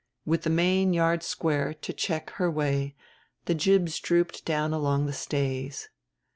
With the main yard square to check her way the jibs drooped down along the stays.